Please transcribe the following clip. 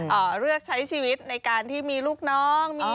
บ๊วยอ๋อรือวงใช้ชีวิตในการที่มีลูกน้อง